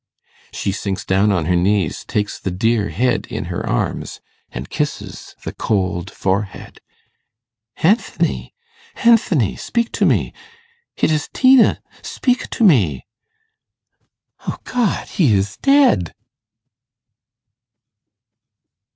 She sinks down on her knees, takes the dear head in her arms, and kisses the cold forehead. 'Anthony, Anthony! speak to me it is Tina speak to me! O God, he is dead!